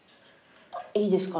いいですか？